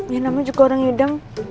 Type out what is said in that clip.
yang namanya juga orang hidang